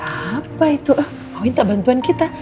apa itu minta bantuan kita